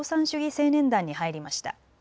青年団に入りました。